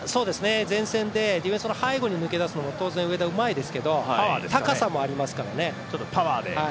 前線でディフェンスの背後に出るのが当然、上田、うまいですけど高さもありますからね。